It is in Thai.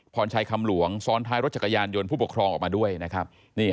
พรชัยคำหลวงซ้อนท้ายรถจักรยานยนต์ผู้ปกครองออกมาด้วยนะครับ